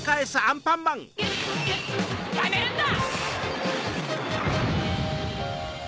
やめるんだ！